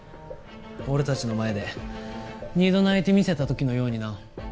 俺たちの前で二度泣いてみせた時のようにな。